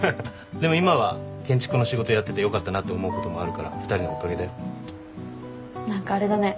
でも今は建築の仕事やっててよかったなって思うこともあるから２人のおかげだよ。何かあれだね。